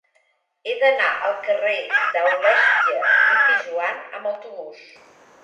He d'anar al carrer d'Aulèstia i Pijoan amb autobús.